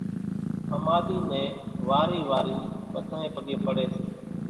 ۿماۮِي نين وارِي وارِي ٻڌانئين پڳين پڙي سي